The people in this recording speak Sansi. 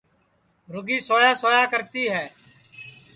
رُگی سویا سویا کرتی ہے